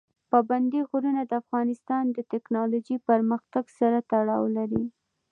پابندی غرونه د افغانستان د تکنالوژۍ پرمختګ سره تړاو لري.